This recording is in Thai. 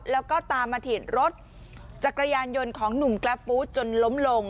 แล้วก็ตามมาถีดรถจักรยานยนต์ของหนุ่มกราฟฟู้ดจนล้มลง